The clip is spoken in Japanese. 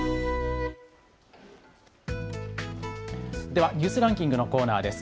ではニュースランキングのコーナーです。